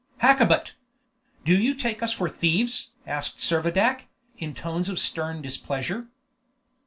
"Hakkabut! do you take us for thieves?" asked Servadac, in tones of stern displeasure.